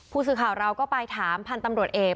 ผู้สื่อข่าวเราก็ไปถามพันธุ์ตำรวจเอก